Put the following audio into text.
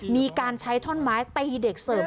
มีการใช้ท่อนไม้ตีเด็กเสิร์ฟ